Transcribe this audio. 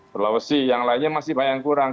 sulawesi yang lainnya masih banyak yang kurang